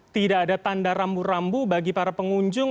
tidak ada tanda rambu rambu bagi para pengunjung